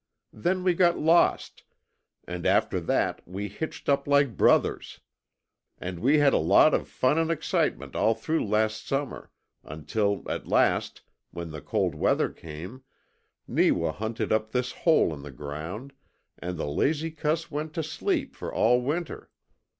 Then we got lost, and after that we hitched up like brothers; and we had a lot of fun and excitement all through last summer, until at last, when the cold weather came, Neewa hunted up this hole in the ground and the lazy cuss went to sleep for all winter.